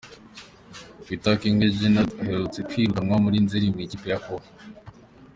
Witakenge Jeannot aherutse kwirukanwa muri Nzeri mu ikipe ya O.